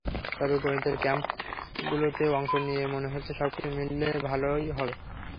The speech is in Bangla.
তবে গণিতের ক্যাম্পগুলোতে অংশ নিয়ে মনে হচ্ছে সবকিছু মিলে ভালোই করব।